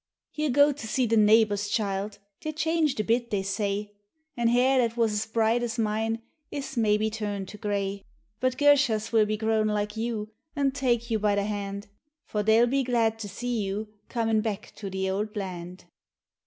You'll go to see the neighbours, child ; they're changed a bit, they say, An' hair that was as bright as mine is maybe turned to grey. But girshas will be grown like you, an' take you by the hand, For they'll be glad to see you cornin' back to the old land.